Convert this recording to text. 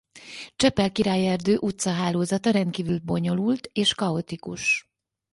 Csepel-Királyerdő utcahálózata rendkívül bonyolult és kaotikus.